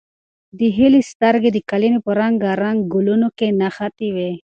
د هیلې سترګې د قالینې په رنګارنګ ګلانو کې نښتې وې.